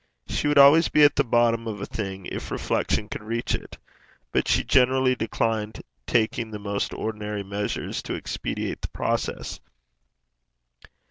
She would always be at the bottom of a thing if reflection could reach it, but she generally declined taking the most ordinary measures to expedite the process.